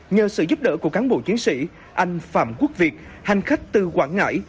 nhờ sự giúp đỡ của cán bộ chiến sĩ anh phạm quốc việt hành khách từ quảng ngãi